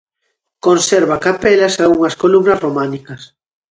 Conserva capelas e algunhas columnas románicas.